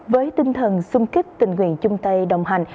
với tinh thần sung kích tình nguyện chung tay đồng hành